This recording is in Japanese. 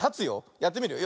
やってみるよ。